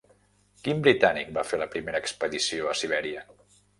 Quin britànic va fer la primera expedició a Sibèria?